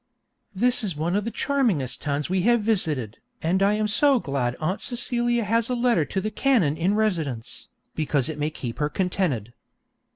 This is one of the charmingest towns we have visited, and I am so glad Aunt Celia has a letter to the Canon in residence, because it may keep her contented.